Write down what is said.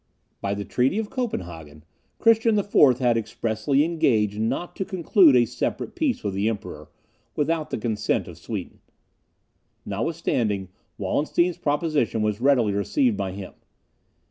By the treaty of Copenhagen, Christian IV. had expressly engaged not to conclude a separate peace with the Emperor, without the consent of Sweden. Notwithstanding, Wallenstein's proposition was readily received by him.